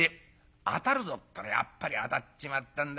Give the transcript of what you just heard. ったらやっぱりあたっちまったんだ。